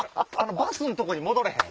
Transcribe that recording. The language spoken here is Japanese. バスんとこに戻れへん？